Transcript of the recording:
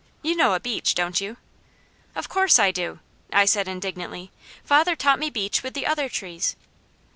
You know a beech, don't you?" "Of course I do," I said indignantly. "Father taught me beech with the other trees."